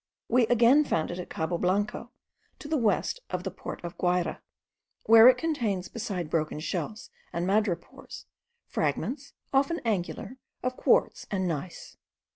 We again found it at Cabo Blanco, to the west of the port of Guayra, where it contains, besides broken shells and madrepores, fragments, often angular, of quartz and gneiss.